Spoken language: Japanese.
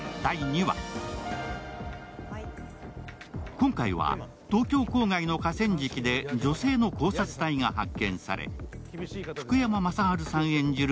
今回は東京郊外の河川敷で女性の絞殺体が発見され、福山雅治さん演じる